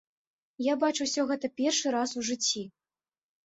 Я бачу ўсё гэта першы раз у жыцці.